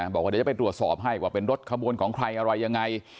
บอกว่าเดี๋ยวจะไปตรวจสอบให้ว่าเป็นรถขบวนของใครอะไรยังไง